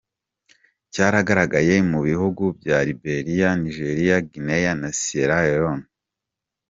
Cyagaragaye mu bihugu bya Liberia, Nigeria, Guinea na Sierra Leone.